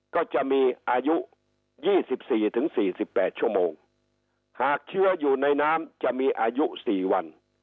ก็จะมีอายุยี่สิบสี่ถึงสี่สิบแปดชั่วโมงหากเชื้ออยู่ในน้ำจะมีอายุสี่วัน